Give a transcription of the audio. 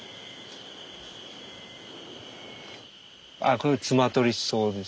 これツマトリソウです。